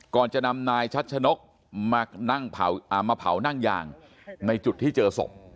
ก่อนจะนำนายชัชนกมานั่งมาเผานั่งยางในจุดที่เจอศพ